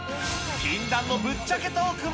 禁断のぶっちゃけトークも。